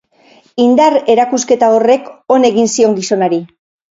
Indar-erakusketa horrek on egin zion gizonari.